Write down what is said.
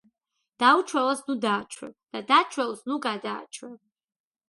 დაუჩვეველს ნუ დააჩვევ, დაჩვეულს ნუ გადააჩვევ